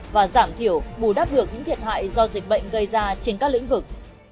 và giảm thiểu bù đắp được những thiệt hại do dịch bệnh gây ra trên các lĩnh vực